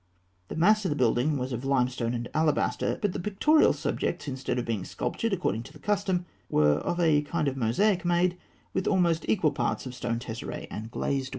The mass of the building was of limestone and alabaster; but the pictorial subjects, instead of being sculptured according to custom, were of a kind of mosaic made with almost equal parts of stone tesserae and glazed ware.